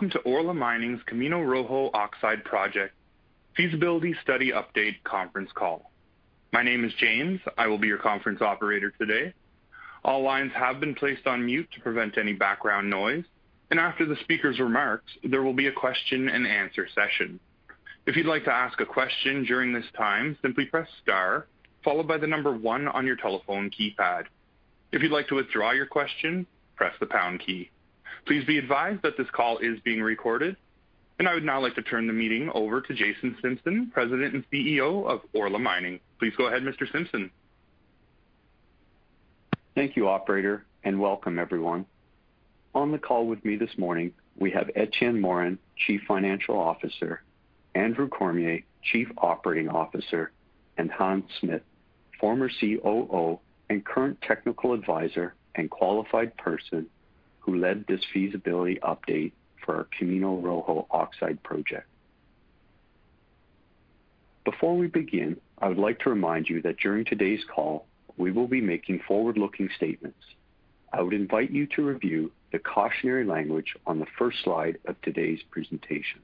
Welcome to Orla Mining's Camino Rojo Oxide Project Feasibility Study Update conference call. My name is James. I will be your conference operator today. All lines have been placed on mute to prevent any background noise, and after the speaker's remarks, there will be a question-and-answer session. If you'd like to ask a question during this time, simply press star, followed by the number one on your telephone keypad. If you'd like to withdraw your question, press the pound key. Please be advised that this call is being recorded, and I would now like to turn the meeting over to Jason Simpson, President and CEO of Orla Mining. Please go ahead, Mr. Simpson. Thank you, operator, and welcome everyone. On the call with me this morning, we have Etienne Morin, Chief Financial Officer; Andrew Cormier, Chief Operating Officer; and Hans Smit, former COO and current technical advisor and qualified person, who led this feasibility update for our Camino Rojo Oxide Project. Before we begin, I would like to remind you that during today's call, we will be making forward-looking statements. I would invite you to review the cautionary language on the first slide of today's presentation,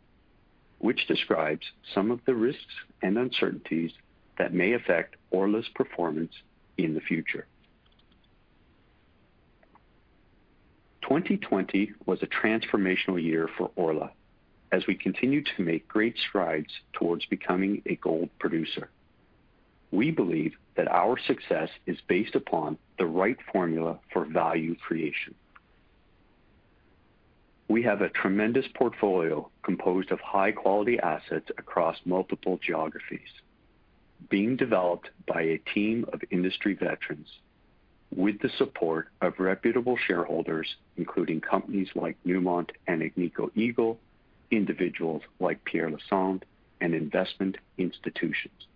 which describes some of the risks and uncertainties that may affect Orla's performance in the future. 2020 was a transformational year for Orla as we continued to make great strides towards becoming a gold producer. We believe that our success is based upon the right formula for value creation. We have a tremendous portfolio composed of high-quality assets across multiple geographies, being developed by a team of industry veterans with the support of reputable shareholders, including companies like Newmont and Agnico Eagle, individuals like Pierre Lassonde, and investment institutions.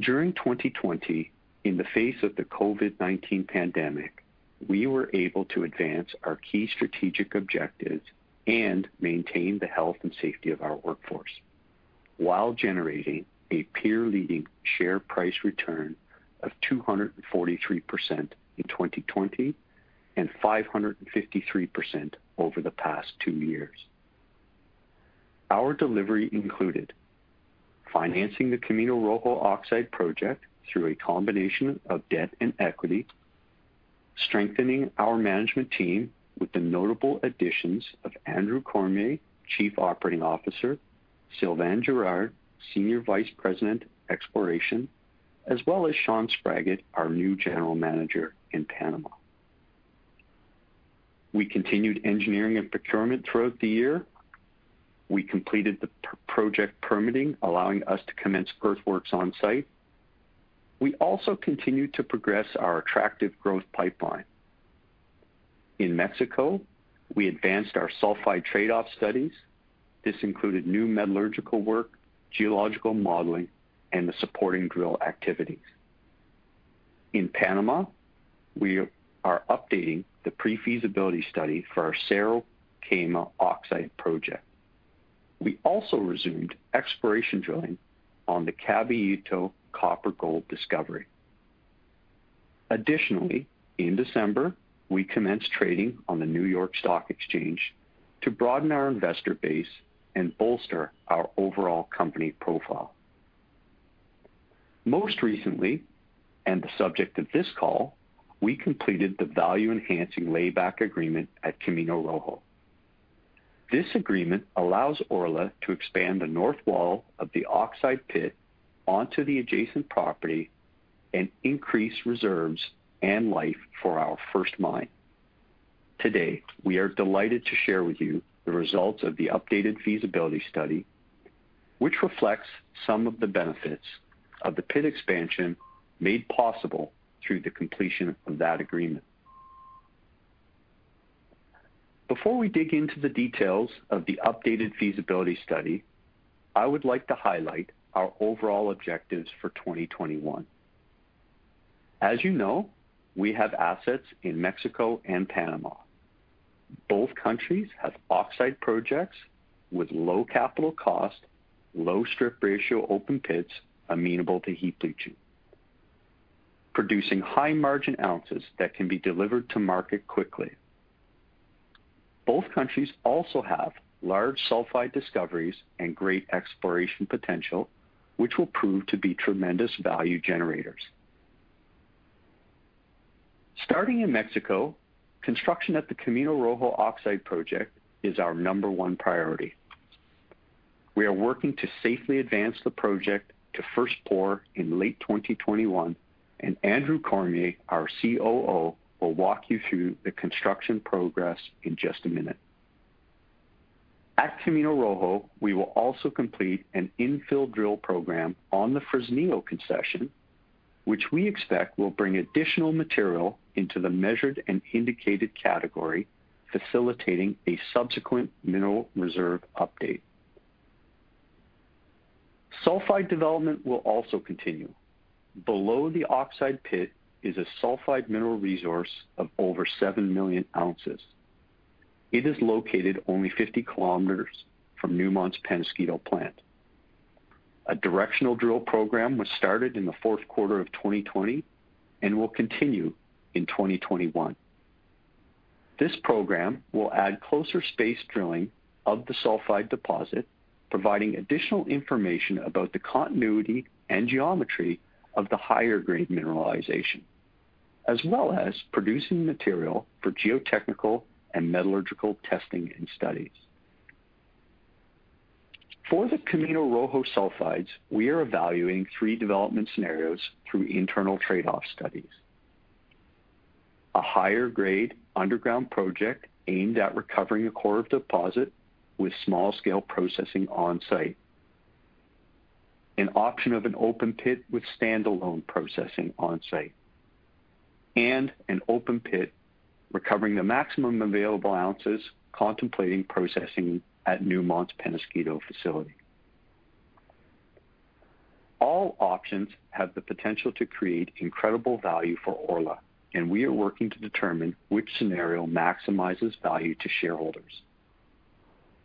During 2020, in the face of the COVID-19 pandemic, we were able to advance our key strategic objectives and maintain the health and safety of our workforce while generating a peer-leading share price return of 243% in 2020 and 553% over the past two years. Our delivery included financing the Camino Rojo Oxide Project through a combination of debt and equity, strengthening our management team with the notable additions of Andrew Cormier, Chief Operating Officer, Sylvain Girard, Senior Vice President, Exploration, as well as Sean Spraggett, our new general manager in Panama. We continued engineering and procurement throughout the year. We completed the project permitting, allowing us to commence earthworks on-site. We also continued to progress our attractive growth pipeline. In Mexico, we advanced our sulfide trade-off studies. This included new metallurgical work, geological modeling, and the supporting drill activities. In Panama, we are updating the pre-feasibility study for our Cerro Quema Oxide Project. We also resumed exploration drilling on the Caballito copper-gold discovery. Additionally, in December, we commenced trading on the New York Stock Exchange to broaden our investor base and bolster our overall company profile. Most recently, and the subject of this call, we completed the value-enhancing layback agreement at Camino Rojo. This agreement allows Orla to expand the north wall of the oxide pit onto the adjacent property and increase reserves and life for our first mine. Today, we are delighted to share with you the results of the updated feasibility study, which reflects some of the benefits of the pit expansion made possible through the completion of that agreement. Before we dig into the details of the updated feasibility study, I would like to highlight our overall objectives for 2021. As you know, we have assets in Mexico and Panama. Both countries have oxide projects with low capital cost, low strip ratio open pits amenable to heap leaching, producing high-margin ounces that can be delivered to market quickly. Both countries also have large sulfide discoveries and great exploration potential, which will prove to be tremendous value generators. Starting in Mexico, construction at the Camino Rojo Oxide Project is our number one priority. We are working to safely advance the project to first pour in late 2021, and Andrew Cormier, our COO, will walk you through the construction progress in just a minute. At Camino Rojo, we will also complete an infill drill program on the Fresnillo concession, which we expect will bring additional material into the Measured and Indicated category, facilitating a subsequent mineral reserve update. Sulfide development will also continue. Below the oxide pit is a sulfide mineral resource of over seven million ounces. It is located only 50 kilometers from Newmont's Peñasquito plant. A directional drill program was started in the fourth quarter of 2020, and will continue in 2021. This program will add closer space drilling of the sulfide deposit, providing additional information about the continuity and geometry of the higher grade mineralization, as well as producing material for geotechnical and metallurgical testing and studies. For the Camino Rojo sulfides, we are evaluating three development scenarios through internal trade-off studies. A higher grade underground project aimed at recovering a core of deposit with small scale processing on-site, an option of an open pit with standalone processing on-site, and an open pit recovering the maximum available ounces, contemplating processing at Newmont's Peñasquito facility. All options have the potential to create incredible value for Orla, and we are working to determine which scenario maximizes value to shareholders.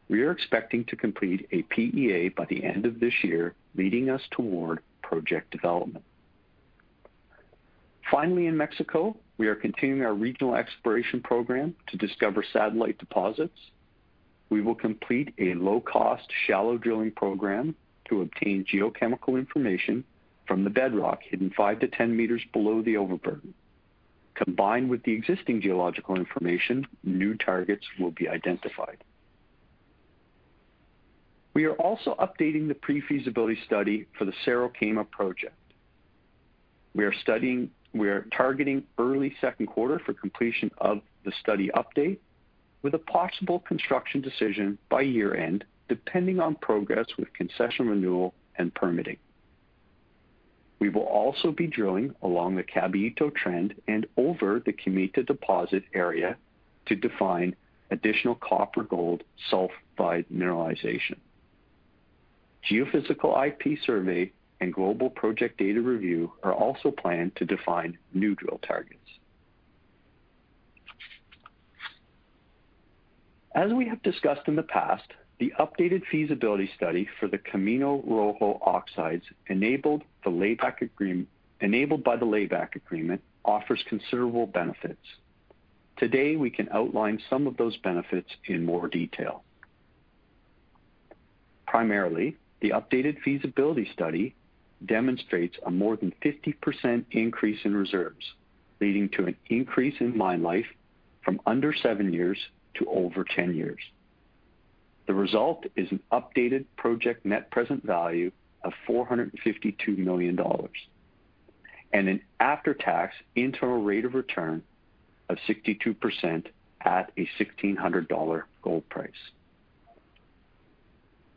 We are expecting to complete a PEA by the end of this year, leading us toward project development. Finally, in Mexico, we are continuing our regional exploration program to discover satellite deposits. We will complete a low-cost, shallow drilling program to obtain geochemical information from the bedrock hidden five to 10 meters below the overburden. Combined with the existing geological information, new targets will be identified. We are also updating the pre-feasibility study for the Cerro Quema project. We are targeting early second quarter for completion of the study update, with a possible construction decision by year-end, depending on progress with concession renewal and permitting. We will also be drilling along the Caballito Trend and over the Comita deposit area to define additional copper gold sulfide mineralization. Geophysical IP survey and global project data review are also planned to define new drill targets. As we have discussed in the past, the updated feasibility study for the Camino Rojo oxides, enabled by the layback agreement, offers considerable benefits. Today, we can outline some of those benefits in more detail. Primarily, the updated feasibility study demonstrates a more than 50% increase in reserves, leading to an increase in mine life from under seven years to over 10 years. The result is an updated project net present value of $452 million, and an after-tax internal rate of return of 62% at a $1,600 gold price.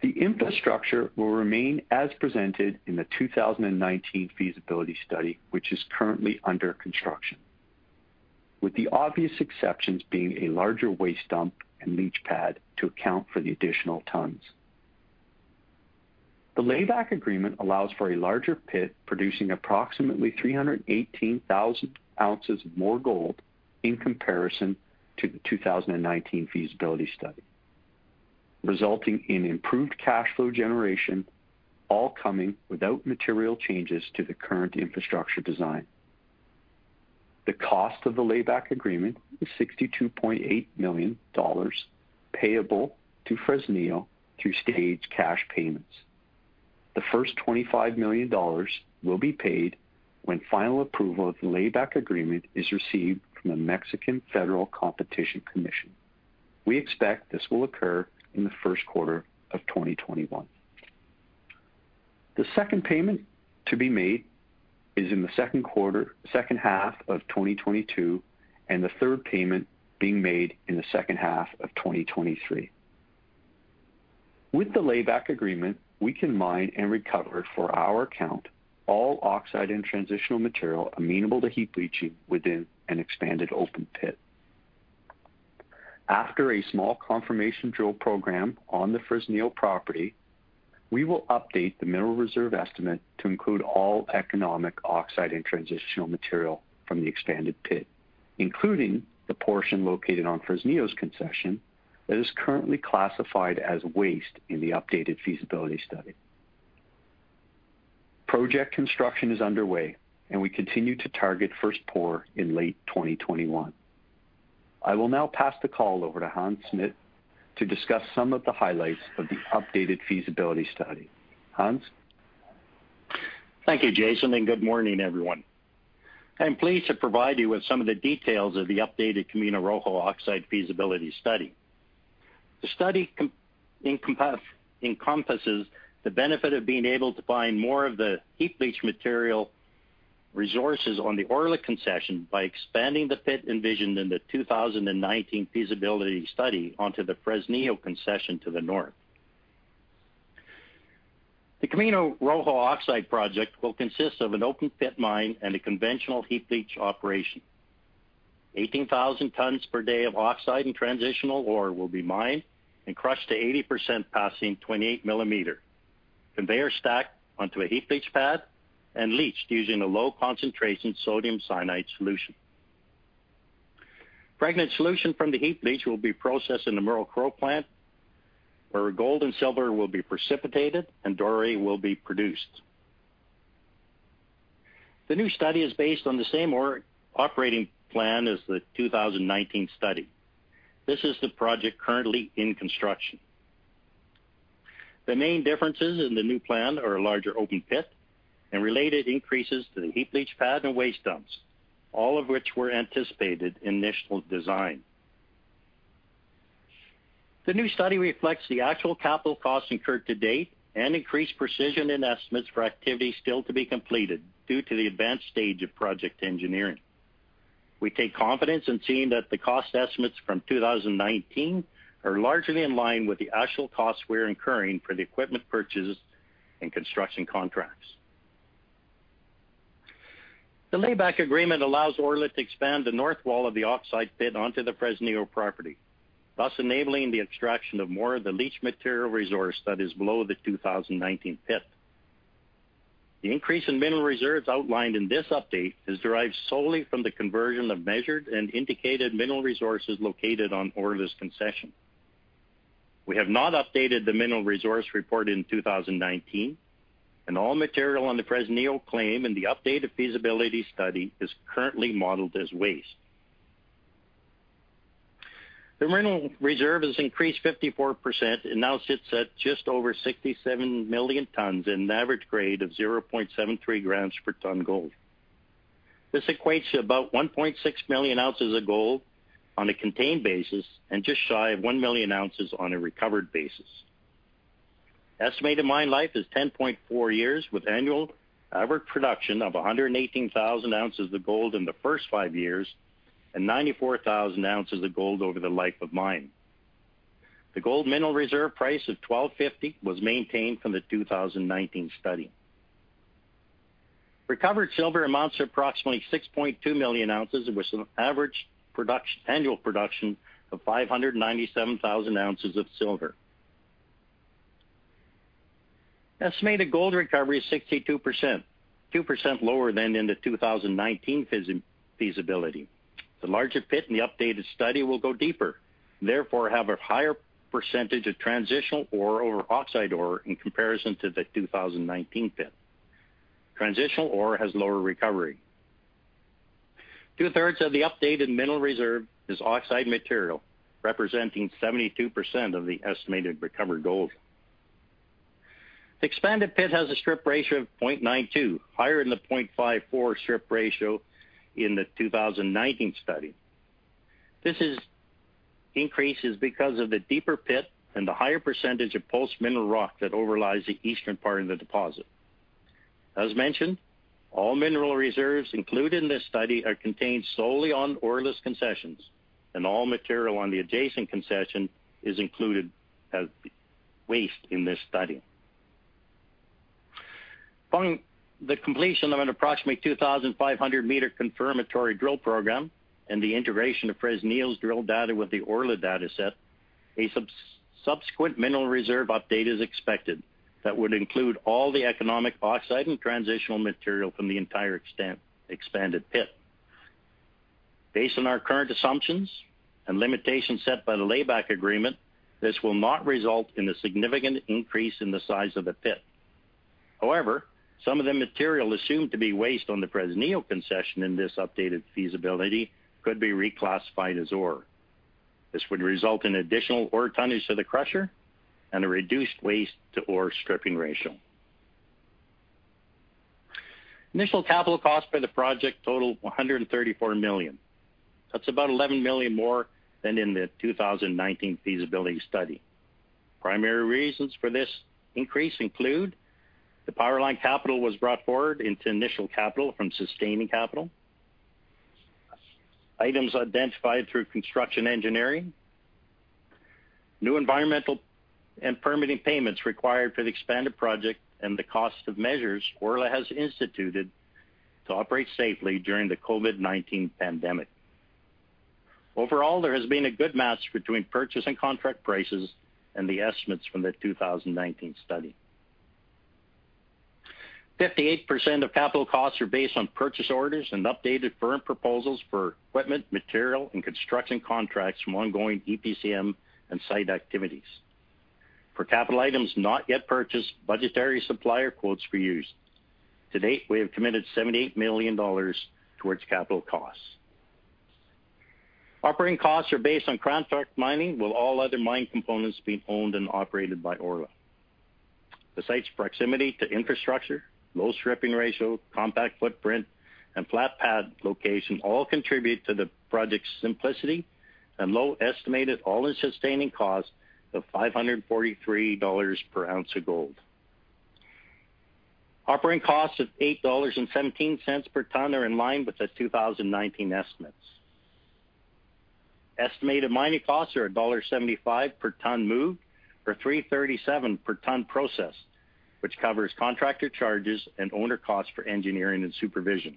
The infrastructure will remain as presented in the 2019 feasibility study, which is currently under construction, with the obvious exceptions being a larger waste dump and leach pad to account for the additional tons. The layback agreement allows for a larger pit, producing approximately 318,000 ounces of more gold in comparison to the 2019 feasibility study, resulting in improved cash flow generation, all coming without material changes to the current infrastructure design. The cost of the layback agreement is $62.8 million, payable to Fresnillo through staged cash payments. The first $25 million will be paid when final approval of the layback agreement is received from the Mexican Federal Competition Commission. We expect this will occur in the first quarter of 2021. The second payment to be made is in the second quarter, second half of 2022, and the third payment being made in the second half of 2023. With the layback agreement, we can mine and recover, for our account, all oxide and transitional material amenable to heap leaching within an expanded open pit. After a small confirmation drill program on the Fresnillo property, we will update the mineral reserve estimate to include all economic oxide and transitional material from the expanded pit, including the portion located on Fresnillo's concession, that is currently classified as waste in the updated feasibility study. Project construction is underway, and we continue to target first pour in late 2021. I will now pass the call over to Hans Smit to discuss some of the highlights of the updated feasibility study. Hans? Thank you, Jason, and good morning, everyone. I'm pleased to provide you with some of the details of the updated Camino Rojo oxide feasibility study. The study encompasses the benefit of being able to mine more of the heap leach mineral resources on the Orla concession by expanding the pit envisioned in the 2019 feasibility study onto the Fresnillo concession to the north. The Camino Rojo oxide project will consist of an open pit mine and a conventional heap leach operation. 18,000 tons per day of oxide and transitional ore will be mined and crushed to 80% passing 28 mm, conveyor stacked onto a heap leach pad and leached using a low concentration sodium cyanide solution. Pregnant solution from the heap leach will be processed in the Merrill-Crowe plant, where gold and silver will be precipitated and doré will be produced. The new study is based on the same ore operating plan as the 2019 study. This is the project currently in construction. The main differences in the new plan are a larger open pit and related increases to the heap leach pad and waste dumps, all of which were anticipated in initial design. The new study reflects the actual capital costs incurred to date and increased precision in estimates for activities still to be completed due to the advanced stage of project engineering. We take confidence in seeing that the cost estimates from 2019 are largely in line with the actual costs we're incurring for the equipment purchases and construction contracts. The layback agreement allows Orla to expand the north wall of the oxide pit onto the Fresnillo property, thus enabling the extraction of more of the leach material resource that is below the 2019 pit. The increase in mineral reserves outlined in this update is derived solely from the conversion of Measured and Indicated mineral resources located on Orla's concession. We have not updated the mineral resource report in 2019, and all material on the Fresnillo claim in the updated feasibility study is currently modeled as waste. The mineral reserve has increased 54% and now sits at just over 67 million tons in an average grade of 0.73 grams per ton gold. This equates to about 1.6 million ounces of gold on a contained basis, and just shy of one million ounces on a recovered basis. Estimated mine life is 10.4 years, with annual average production of 118,000 ounces of gold in the first five years and 94,000 ounces of gold over the life of mine. The gold mineral reserve price of $1,250 was maintained from the 2019 study. Recovered silver amounts to approximately 6.2 million ounces, with an average annual production of 597,000 ounces of silver. Estimated gold recovery is 62%, 2% lower than in the 2019 feasibility. The larger pit in the updated study will go deeper, therefore, have a higher percentage of transitional ore over oxide ore in comparison to the 2019 pit. Transitional ore has lower recovery. 2/3 of the updated mineral reserve is oxide material, representing 72% of the estimated recovered gold. Expanded pit has a strip ratio of 0.92, higher than the 0.54 strip ratio in the 2019 study. This increase is because of the deeper pit and the higher percentage of sulfide mineral rock that overlies the eastern part of the deposit. As mentioned, all mineral reserves included in this study are contained solely on Orla's concessions, and all material on the adjacent concession is included as waste in this study. Following the completion of an approximately 2,500-meter confirmatory drill program and the integration of Fresnillo's drill data with the Orla data set, a subsequent mineral reserve update is expected that would include all the economic oxide and transitional material from the entire extent, expanded pit. Based on our current assumptions and limitations set by the layback agreement, this will not result in a significant increase in the size of the pit. However, some of the material assumed to be waste on the Fresnillo concession in this updated feasibility could be reclassified as ore. This would result in additional ore tonnage to the crusher and a reduced waste-to-ore stripping ratio. Initial capital costs for the project total $134 million. That's about $11 million more than in the 2019 feasibility study. Primary reasons for this increase include: the power line capital was brought forward into initial capital from sustaining capital, items identified through construction engineering, new environmental and permitting payments required for the expanded project, and the cost of measures Orla has instituted to operate safely during the COVID-19 pandemic. Overall, there has been a good match between purchase and contract prices and the estimates from the 2019 study. 58% of capital costs are based on purchase orders and updated firm proposals for equipment, material, and construction contracts from ongoing EPCM and site activities. For capital items not yet purchased, budgetary supplier quotes were used. To date, we have committed $78 million towards capital costs. Operating costs are based on contract mining, with all other mine components being owned and operated by Orla. The site's proximity to infrastructure, low stripping ratio, compact footprint, and flat pad location all contribute to the project's simplicity and low estimated all-in sustaining cost of $543 per ounce of gold. Operating costs of $8.17 per ton are in line with the 2019 estimates. Estimated mining costs are $1.75 per ton moved, or $3.37 per ton processed, which covers contractor charges and owner costs for engineering and supervision.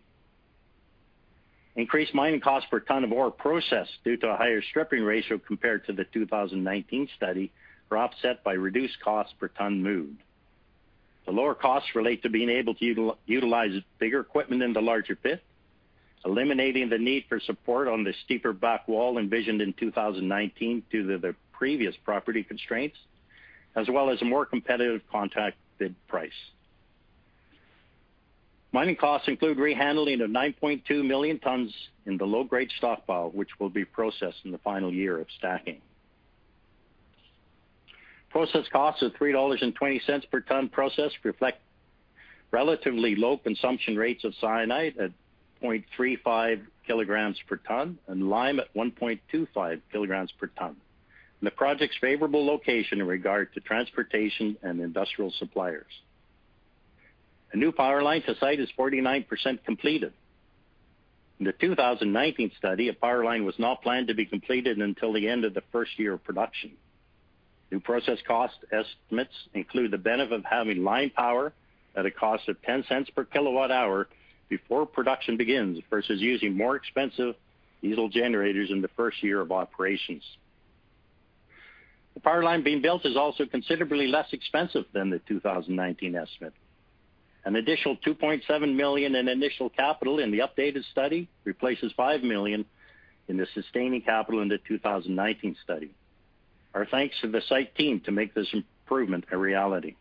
Increased mining costs per ton of ore processed due to a higher stripping ratio compared to the 2019 study are offset by reduced costs per ton moved. The lower costs relate to being able to utilize bigger equipment in the larger pit, eliminating the need for support on the steeper back wall envisioned in 2019 due to the previous property constraints, as well as a more competitive contracted price. Mining costs include rehandling of 9.2 million tons in the low-grade stockpile, which will be processed in the final year of stacking. Process costs of $3.20 per ton processed reflect relatively low consumption rates of cyanide at 0.35 kilograms per ton, and lime at 1.25 kilograms per ton. The project's favorable location in regard to transportation and industrial suppliers. A new power line to site is 49% completed. In the 2019 study, a power line was not planned to be completed until the end of the first year of production. New process cost estimates include the benefit of having line power at a cost of $0.10 per kWh before production begins, versus using more expensive diesel generators in the first year of operations. The power line being built is also considerably less expensive than the 2019 estimate. An additional $2.7 million in initial capital in the updated study replaces $5 million in the sustaining capital in the 2019 study. Our thanks to the site team to make this improvement a reality.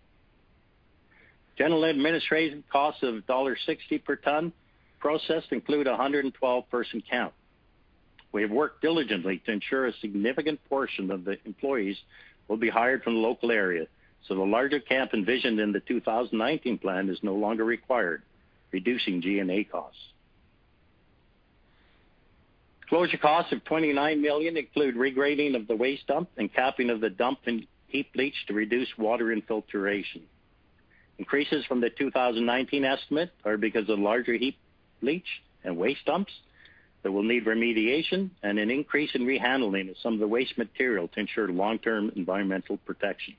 General administrative costs of $60 per ton processed include a 112-person count. We have worked diligently to ensure a significant portion of the employees will be hired from the local area, so the larger camp envisioned in the 2019 plan is no longer required, reducing G&A costs. Closure costs of $29 million include regrading of the waste dump and capping of the dump and heap leach to reduce water infiltration. Increases from the 2019 estimate are because of larger heap leach and waste dumps that will need remediation, and an increase in rehandling of some of the waste material to ensure long-term environmental protection.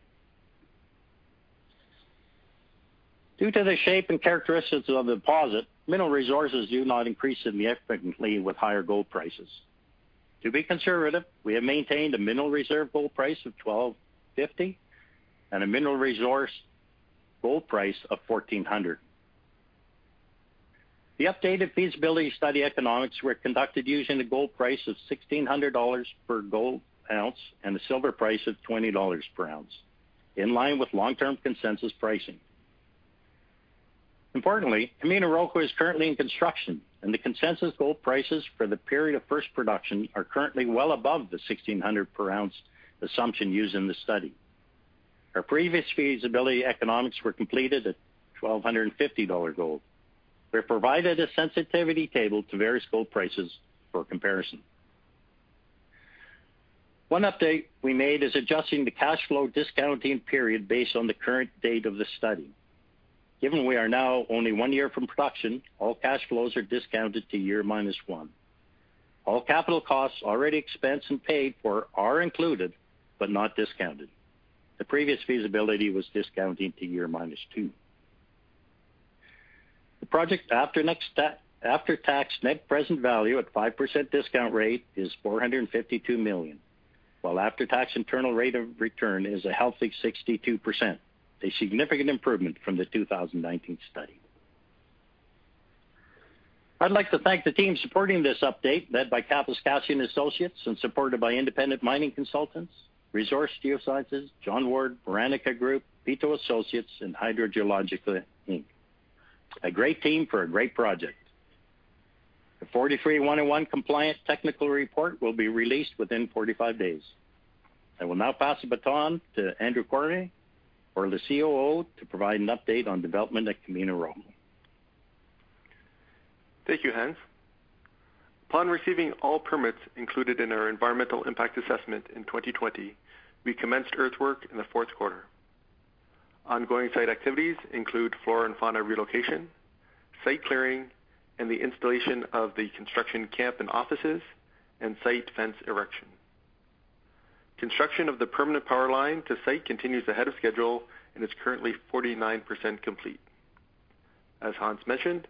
Due to the shape and characteristics of the deposit, mineral resources do not increase significantly with higher gold prices. To be conservative, we have maintained a mineral reserve gold price of $1,250 and a mineral resource gold price of $1,400. The updated feasibility study economics were conducted using a gold price of $1,600 per gold ounce and a silver price of $20 per ounce, in line with long-term consensus pricing. Importantly, Camino Rojo is currently in construction, and the consensus gold prices for the period of first production are currently well above the $1,600 per ounce assumption used in the study. Our previous feasibility economics were completed at $1,250 gold. We have provided a sensitivity table to various gold prices for comparison. One update we made is adjusting the cash flow discounting period based on the current date of the study. Given we are now only one year from production, all cash flows are discounted to year minus 1. All capital costs already expensed and paid for are included, but not discounted. The previous feasibility was discounting to year minus 2. The project after-tax net present value at 5% discount rate is $452 million, while after-tax internal rate of return is a healthy 62%, a significant improvement from the 2019 study. I'd like to thank the team supporting this update, led by Kappes, Cassiday & Associates and supported by Independent Mining Consultants, Resource Geosciences, John Ward, Barranca Group, Piteau Associates, and HydroGeoLogica, Inc. A great team for a great project. The 43-101 compliance technical report will be released within 45 days. I will now pass the baton to Andrew Cormier, our COO, to provide an update on development at Camino Rojo. Thank you, Hans. Upon receiving all permits included in our environmental impact assessment in 2020, we commenced earthwork in the fourth quarter. Ongoing site activities include flora and fauna relocation, site clearing, and the installation of the construction camp and offices, and site fence erection. Construction of the permanent power line to site continues ahead of schedule and is currently 49% complete. As Hans mentioned,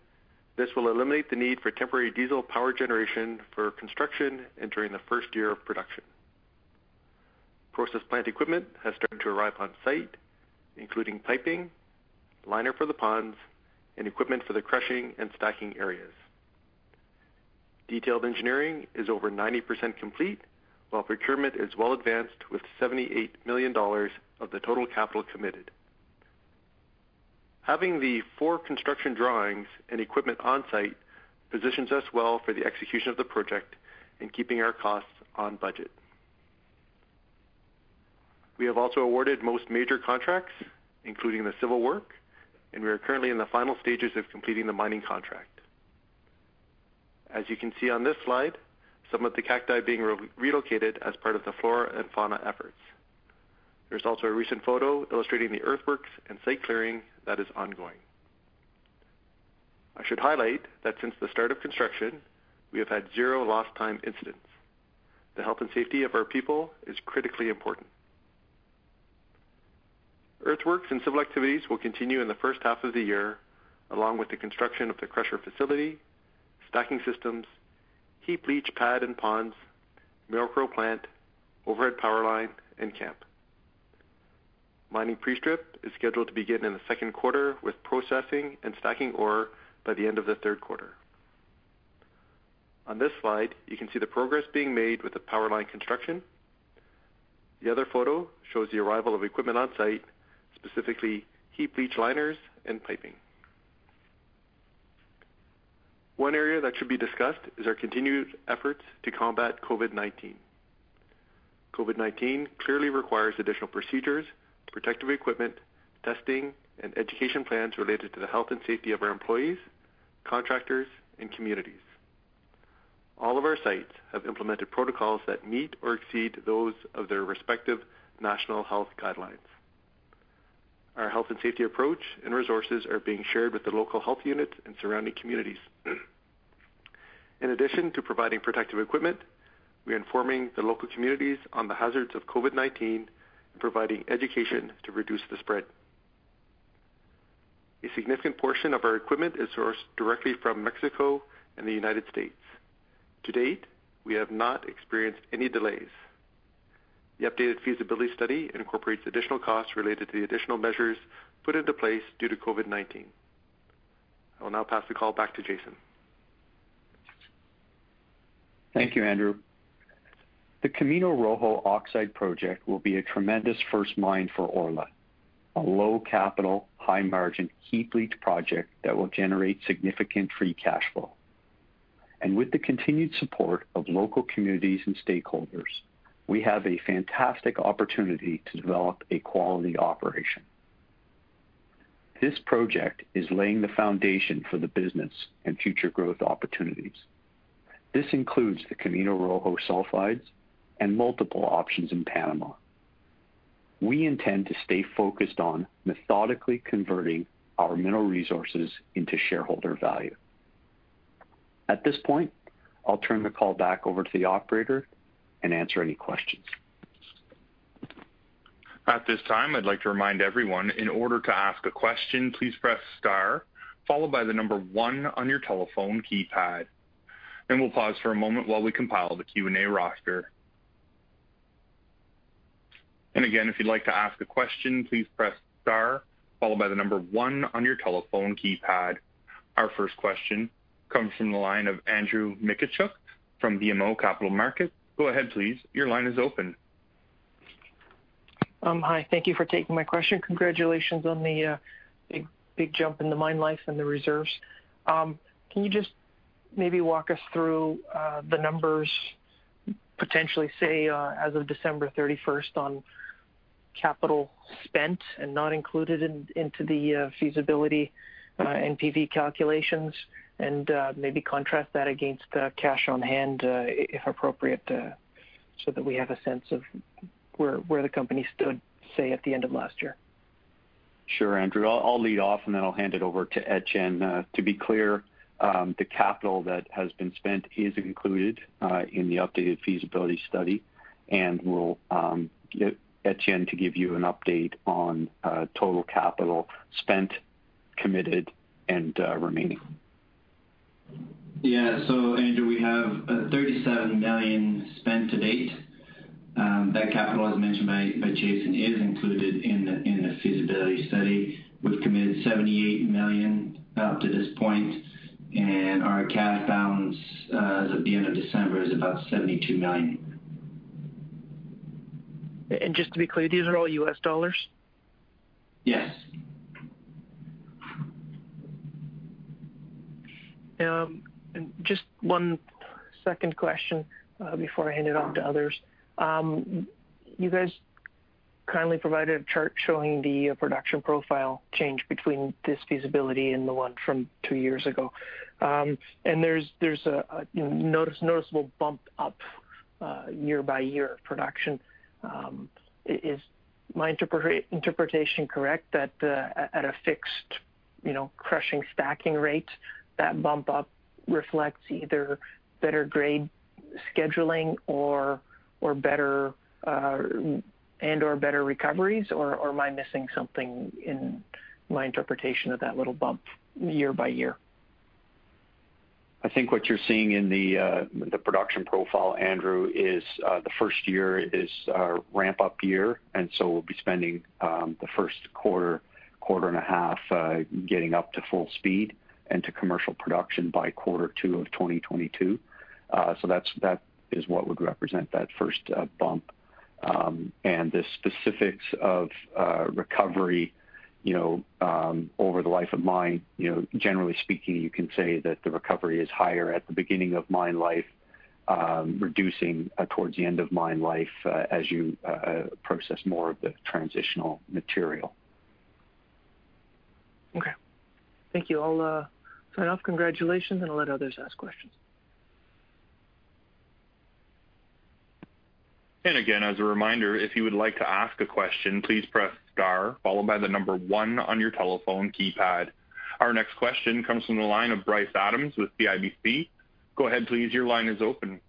this will eliminate the need for temporary diesel power generation for construction and during the first year of production. Process plant equipment has started to arrive on site, including piping, liner for the ponds, and equipment for the crushing and stacking areas. Detailed engineering is over 90% complete, while procurement is well advanced with $78 million of the total capital committed. Having the four construction drawings and equipment on site positions us well for the execution of the project and keeping our costs on budget. We have also awarded most major contracts, including the civil work, and we are currently in the final stages of completing the mining contract. As you can see on this slide, some of the cacti being relocated as part of the flora and fauna efforts. There's also a recent photo illustrating the earthworks and site clearing that is ongoing. I should highlight that since the start of construction, we have had 0 lost time incidents. The health and safety of our people is critically important. Earthworks and civil activities will continue in the first half of the year, along with the construction of the crusher facility, stacking systems, heap leach pad and ponds, Merrill-Crowe plant, overhead power line, and camp. Mining pre-strip is scheduled to begin in the second quarter, with processing and stacking ore by the end of the third quarter. On this slide, you can see the progress being made with the power line construction. The other photo shows the arrival of equipment on site, specifically heap leach liners and piping. One area that should be discussed is our continued efforts to combat COVID-19. COVID-19 clearly requires additional procedures, protective equipment, testing, and education plans related to the health and safety of our employees, contractors, and communities. All of our sites have implemented protocols that meet or exceed those of their respective national health guidelines. Our health and safety approach and resources are being shared with the local health units and surrounding communities. In addition to providing protective equipment, we're informing the local communities on the hazards of COVID-19 and providing education to reduce the spread. A significant portion of our equipment is sourced directly from Mexico and the United States. To date, we have not experienced any delays. The updated feasibility study incorporates additional costs related to the additional measures put into place due to COVID-19. I will now pass the call back to Jason. Thank you, Andrew. The Camino Rojo oxide project will be a tremendous first mine for Orla, a low capital, high margin, heap leach project that will generate significant free cash flow. And with the continued support of local communities and stakeholders, we have a fantastic opportunity to develop a quality operation. This project is laying the foundation for the business and future growth opportunities. This includes the Camino Rojo sulfides and multiple options in Panama. We intend to stay focused on methodically converting our mineral resources into shareholder value. At this point, I'll turn the call back over to the operator and answer any questions. At this time, I'd like to remind everyone, in order to ask a question, please press star, followed by the number one on your telephone keypad, and we'll pause for a moment while we compile the Q&A roster. And again, if you'd like to ask a question, please press star, followed by the number one on your telephone keypad. Our first question comes from the line of Andrew Mikitchook from BMO Capital Markets. Go ahead, please. Your line is open. Hi, thank you for taking my question. Congratulations on the big, big jump in the mine life and the reserves. Can you just maybe walk us through the numbers, potentially, say, as of December 31st, on capital spent and not included into the feasibility NPV calculations, and maybe contrast that against cash on hand, if appropriate, so that we have a sense of where the company stood, say, at the end of last year? Sure, Andrew. I'll lead off, and then I'll hand it over to Etienne. To be clear, the capital that has been spent is included in the updated feasibility study, and we'll get Etienne to give you an update on total capital spent, committed, and remaining. Yeah. So Andrew, we have $37 million spent to date. That capital, as mentioned by Jason, is included in the feasibility study. We've committed $78 million up to this point, and our cash balance as of the end of December is about $72 million. Just to be clear, these are all U.S. dollars? Yes. Just one second question, before I hand it on to others. You guys kindly provided a chart showing the production profile change between this feasibility and the one from two years ago. And there's a noticeable bump up, year by year of production. Is my interpretation correct that, at a fixed, you know, crushing, stacking rate, that bump up reflects either better grade scheduling or better and/or better recoveries? Or am I missing something in my interpretation of that little bump year by year? I think what you're seeing in the production profile, Andrew, is the first year is our ramp-up year, and so we'll be spending the first quarter, quarter and a half, getting up to full speed and to commercial production by quarter two of 2022. So that's what would represent that first bump. And the specifics of recovery, you know, over the life of mine, you know, generally speaking, you can say that the recovery is higher at the beginning of mine life, reducing towards the end of mine life, as you process more of the transitional material. Okay. Thank you. I'll sign off. Congratulations, and I'll let others ask questions. And again, as a reminder, if you would like to ask a question, please press star, followed by the number one on your telephone keypad. Our next question comes from the line of Bryce Adams with CIBC. Go ahead, please. Your line is open....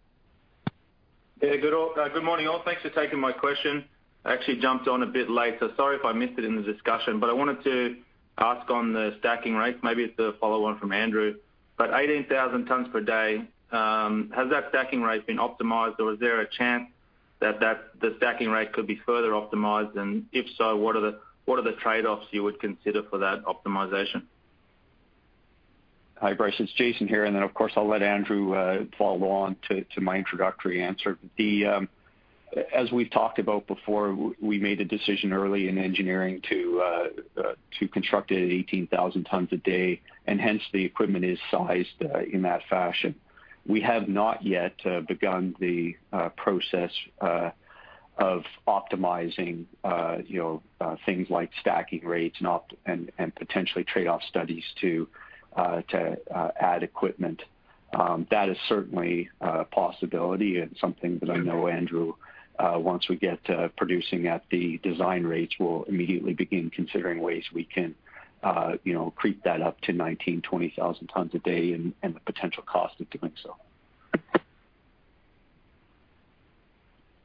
Hey, good all, good morning, all. Thanks for taking my question. I actually jumped on a bit late, so sorry if I missed it in the discussion, but I wanted to ask on the stacking rates, maybe it's a follow on from Andrew. But 18,000 tons per day, has that stacking rate been optimized, or is there a chance that, that the stacking rate could be further optimized? And if so, what are the, what are the trade-offs you would consider for that optimization? Hi, Bryce, it's Jason here, and then, of course, I'll let Andrew follow on to my introductory answer. As we've talked about before, we made a decision early in engineering to construct it at 18,000 tons a day, and hence, the equipment is sized in that fashion. We have not yet begun the process of optimizing, you know, things like stacking rates and potentially trade-off studies to add equipment. That is certainly a possibility and something that I know, Andrew, once we get to producing at the design rates, we'll immediately begin considering ways we can, you know, creep that up to 19,000-20,000 tons a day and the potential cost of doing so.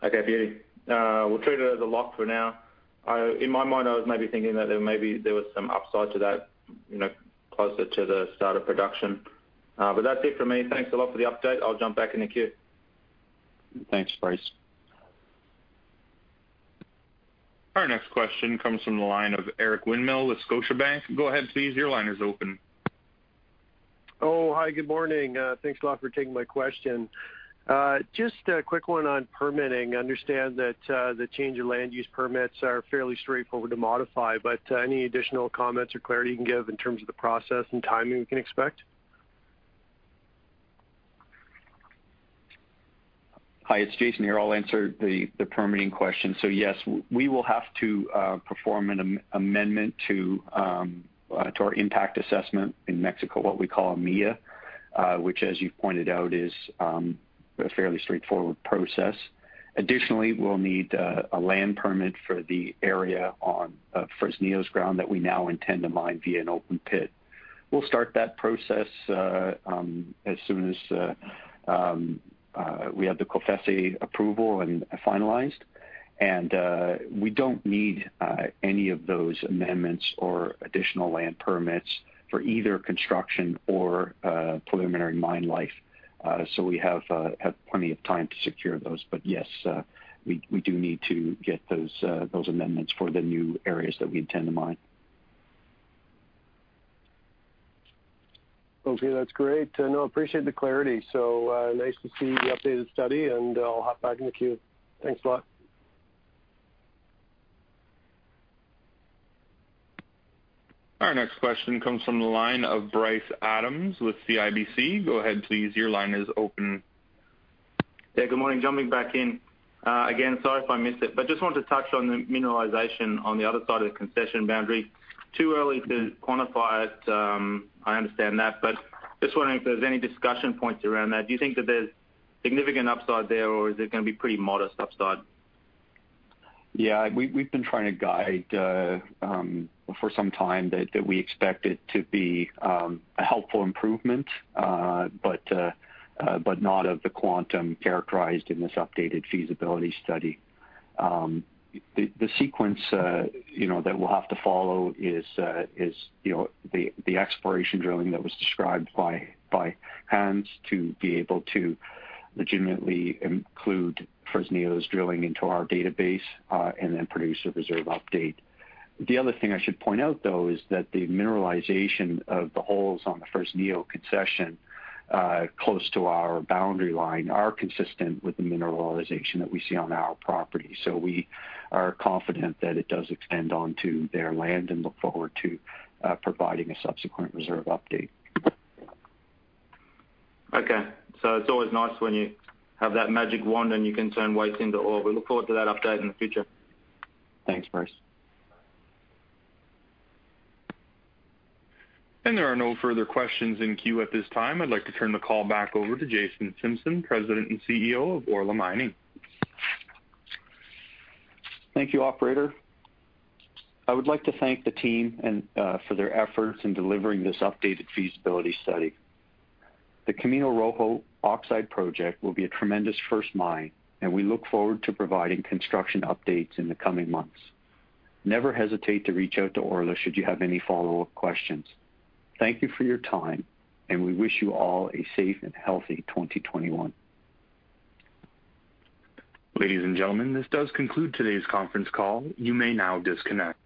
Okay, beauty. We'll treat it as a lock for now. In my mind, I was maybe thinking that there was some upside to that, you know, closer to the start of production. But that's it for me. Thanks a lot for the update. I'll jump back in the queue. Thanks, Bryce. Our next question comes from the line of Eric Winmill with Scotiabank. Go ahead, please. Your line is open. Oh, hi, good morning. Thanks a lot for taking my question. Just a quick one on permitting. I understand that the change in land use permits are fairly straightforward to modify, but any additional comments or clarity you can give in terms of the process and timing we can expect? Hi, it's Jason here. I'll answer the permitting question. So yes, we will have to perform an amendment to our impact assessment in Mexico, what we call MIA, which, as you pointed out, is a fairly straightforward process. Additionally, we'll need a land permit for the area on Fresnillo's ground that we now intend to mine via an open pit. We'll start that process as soon as we have the COFECE approval and finalized. And we don't need any of those amendments or additional land permits for either construction or preliminary mine life. So we have plenty of time to secure those. But yes, we do need to get those amendments for the new areas that we intend to mine. Okay, that's great. No, appreciate the clarity. So, nice to see the updated study, and I'll hop back in the queue. Thanks a lot. Our next question comes from the line of Bryce Adams with CIBC. Go ahead, please. Your line is open. Yeah, good morning. Jumping back in. Again, sorry if I missed it, but just wanted to touch on the mineralization on the other side of the concession boundary. Too early to quantify it, I understand that, but just wondering if there's any discussion points around that. Do you think that there's significant upside there, or is it going to be pretty modest upside? Yeah, we've been trying to guide for some time that we expect it to be a helpful improvement, but not of the quantum characterized in this updated feasibility study. The sequence you know that we'll have to follow is you know the exploration drilling that was described by Hans to be able to legitimately include Fresnillo's drilling into our database and then produce a reserve update. The other thing I should point out, though, is that the mineralization of the holes on the Fresnillo concession close to our boundary line are consistent with the mineralization that we see on our property. So we are confident that it does extend onto their land and look forward to providing a subsequent reserve update. Okay, so it's always nice when you have that magic wand and you can turn waste into ore. We look forward to that update in the future. Thanks, Bryce. There are no further questions in queue at this time. I'd like to turn the call back over to Jason Simpson, President and CEO of Orla Mining. Thank you, operator. I would like to thank the team and for their efforts in delivering this updated feasibility study. The Camino Rojo Oxide project will be a tremendous first mine, and we look forward to providing construction updates in the coming months. Never hesitate to reach out to Orla should you have any follow-up questions. Thank you for your time, and we wish you all a safe and healthy 2021. Ladies and gentlemen, this does conclude today's conference call. You may now disconnect.